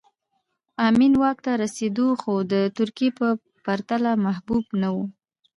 امین واک ته ورسېد خو د ترکي په پرتله محبوب نه و